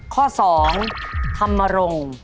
ข้อ๒ธรรมรงค์